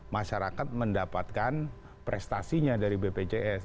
masyarakat mendapatkan prestasinya dari bpjs